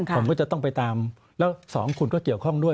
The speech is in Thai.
ผมก็จะต้องไปตามแล้วสองคุณก็เกี่ยวข้องด้วย